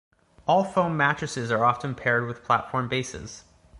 All-foam mattresses are often paired with platform bases.